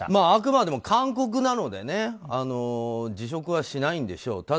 あくまでも勧告なので辞職はしないんでしょう。